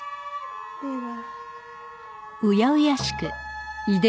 では。